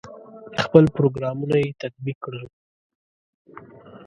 خپل پروګرامونه یې تطبیق کړل.